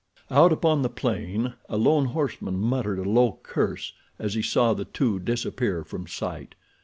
Out upon the plain a lone horseman muttered a low curse as he saw the two disappear from sight.